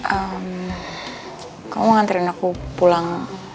ehm kamu mau nganterin aku pulang